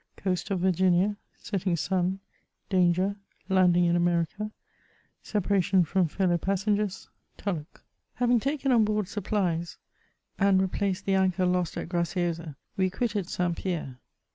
coast of virginia — bbttino sun— danoeb— landing in amebica — Reparation frok fellow passenoesb — tulloch. Haviko taken on board supplies and replaced the anchor lost at Graciosa, we quitted St. Pierre.